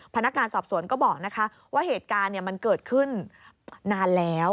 พนักงานสอบสวนก็บอกว่าเหตุการณ์มันเกิดขึ้นนานแล้ว